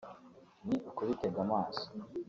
Ni ukubitega amaso